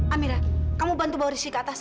amira kamu bantu bawa rizky ke atas